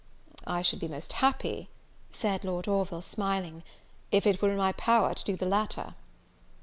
"I should be most happy," said Lord Orville, smiling, "if it were in my power to do the latter."